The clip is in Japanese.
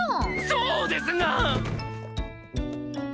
そうですが！